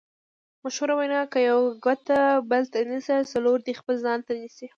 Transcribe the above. مشهوره وینا: که یوه ګوته بل ته نیسې څلور دې خپل ځان ته نیسې.